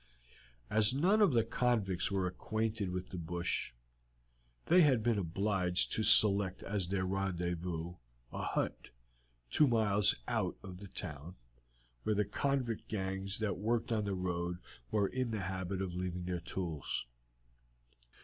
As none of the convicts were acquainted with the bush, they had been obliged to select as their rendezvous a hut two miles out of the town, where the convict gangs that worked on the road were in the habit of leaving their tools.